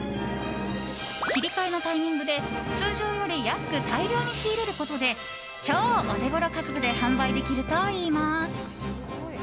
切り替えのタイミングで通常より安く大量に仕入れることで超オテゴロ価格で販売できるといいます。